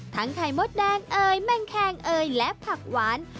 ไข่มดแดงเอ่ยแมงแคงเอ่ยและผักหวาน